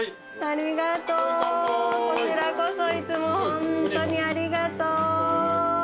こちらこそいつもホントにありがとう。